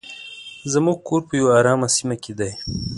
زموږ کور په یو ارامه سیمه کې دی.